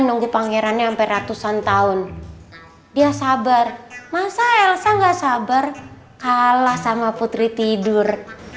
nunggu pangerannya sampai ratusan tahun dia sabar masa elsa elsa nggak sabar kalah sama putri tidur